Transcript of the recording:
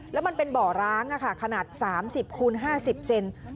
แล้วมันเป็นเบาะร้างค่ะขนาด๓๐คูณ๕๐เซนติเซนติเซน